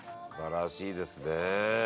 すばらしいですね。